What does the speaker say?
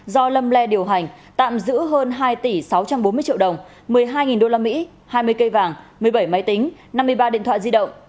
do lâm lê điều hành tạm giữ hơn hai tỷ sáu trăm bốn mươi triệu đồng một mươi hai usd hai mươi cây vàng một mươi bảy máy tính năm mươi ba điện thoại di động